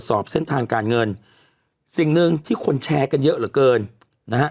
ขอบคุณนะครับขอบคุณนะครับขอบคุณนะครับ